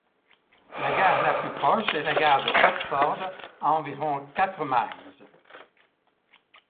La gare la plus proche est la gare de Otford, à environ quatre miles.